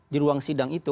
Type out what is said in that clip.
di ruang sidang itu